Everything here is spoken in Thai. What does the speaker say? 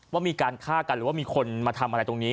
ว่ามีการฆ่ากันหรือว่ามีคนมาทำอะไรตรงนี้